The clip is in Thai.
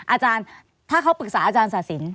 อาจารย์ถ้าเขาปรึกษาอาจารย์ศาสิน